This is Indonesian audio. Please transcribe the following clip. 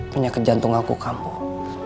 penyakit jantung aku kampuh